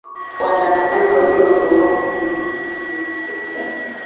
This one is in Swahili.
Waandamanaji wawili wameuawa kwa kupigwa risasi nchini Sudan